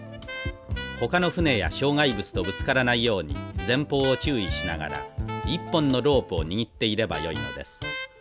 ほかの船や障害物とぶつからないように前方を注意しながら一本のロープを握っていればよいのです。